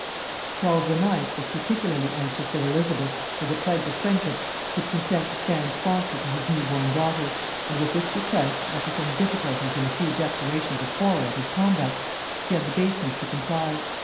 Charles IX. was particularly anxious that Elizabeth, as a pledge of friendship, should consent to stand sponsor to his new born daughter; and with this request, after some difficulties and a few declarations of horror at his conduct, she had the baseness to comply.